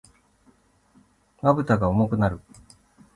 瞼が重くなる。